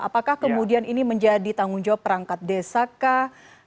apakah kemudian ini menjadi tanggung jawab perangkat desa kah